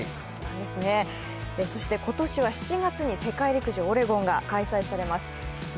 そして、今年は７月に世界陸上オレゴンが開催されます。